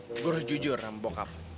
gue harus jujur sama bokap